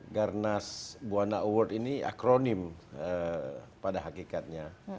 garnas buana award ini akronim pada hakikatnya